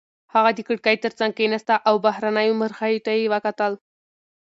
هغه د کړکۍ تر څنګ کېناسته او بهرنیو مرغیو ته یې وکتل.